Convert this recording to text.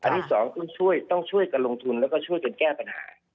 และ๒ต้องช่วยกับลงทุนและช่วยกับแก้ปัญหา